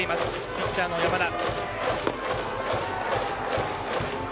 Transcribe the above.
ピッチャーの山田。